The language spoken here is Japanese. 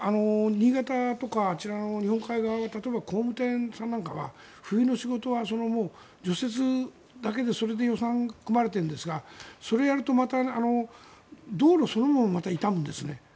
新潟とか日本海側は工務店さんなんかは冬の仕事なんかは除雪だけでそれで予算が組まれているんですがそれをやると道路そのものも傷むんですね。